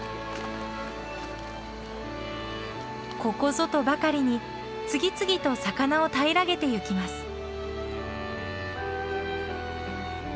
ここぞとばかりに次々と魚を平らげてゆきます。